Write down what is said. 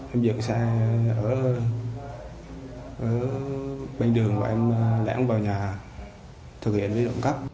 em dựng xe ở bên đường và em lẽ không vào nhà thực hiện với trộm cắp